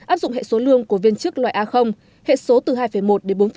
áp dụng hệ số lương của viên chức loại a hệ số từ hai một đến bốn tám mươi chín